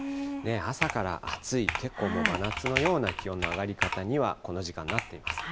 朝から暑い、結構もう真夏のような気温の上がり方には、この時間なっています。